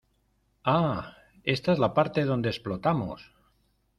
¡ Ah! ¡ ésta es la parte donde explotamos !